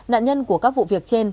nạn nhân của các vụ việc trên